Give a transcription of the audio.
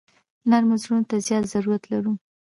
نرمو زړونو ته زیات ضرورت لرو.